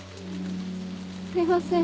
すいません。